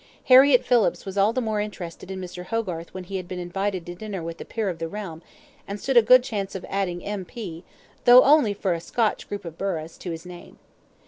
Harriett Phillips was all the more interested in Mr. Hogarth when he had been invited to dinner with a peer of the realm, and stood a good chance of adding M.P. (though only for a Scotch group of burghs) to his name.